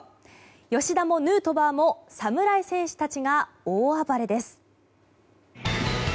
吉田もヌートバーも侍戦士たちが大暴れです。